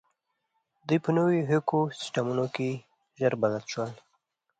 دوی په نوو ایکوسېسټمونو کې ژر بلد شول.